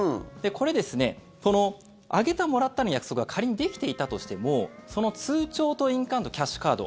これ、あげた、もらったの約束が仮にできていたとしてもその通帳と印鑑とキャッシュカード。